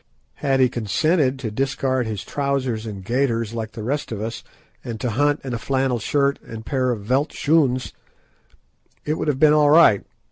Had he consented to discard his trousers and gaiters like the rest of us, and to hunt in a flannel shirt and a pair of veldt schoons, it would have been all right.